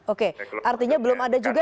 oke artinya belum ada juga